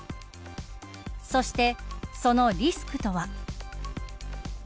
そして、そのリスクとは。